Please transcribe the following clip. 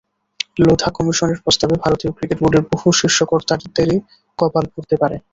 লোধা কমিশনের প্রস্তাবে ভারতীয় ক্রিকেট বোর্ডের বহু শীর্ষ কর্তাদেরই কপাল পুড়তে পারে।